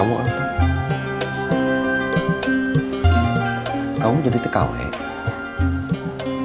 bagaimana abangom tuh nuestro tutorial untuk ini lagi siang sama kita ya